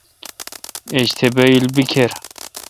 ایج تہ بییل بیکھر۔